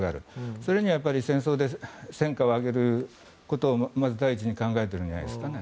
それにはやっぱり戦争で戦果を上げることをまず第一に考えているんじゃないですかね。